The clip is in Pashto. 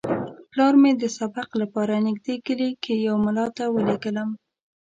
پلار مې د سبق لپاره نږدې کلي کې یوه ملا ته ولېږلم.